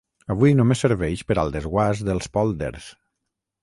Avui només serveix per al desguàs dels pòlders.